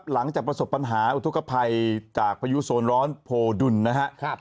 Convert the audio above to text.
หลังจากประสบปัญหาอุทธกภัยจากพายุโซนร้อนโพดุลนะครับ